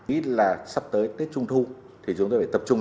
ít là sắp tới tết trung thu thì chúng tôi phải tập trung